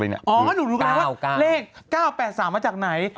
อ๋อนุ่นดูแลว่าเลข๙๘๓มาจากไหน